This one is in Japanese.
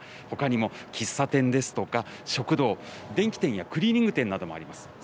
ほかにも喫茶店ですとか食堂、電気店やクリーニング店などもあります。